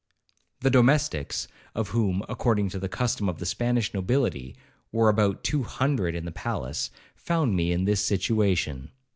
'The domestics (of whom, according to the custom of the Spanish nobility, there were about two hundred in the palace) found me in this situation.